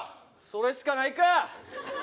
それしかないか